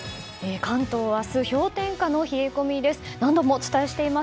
関東は明日、氷点下の冷え込みです。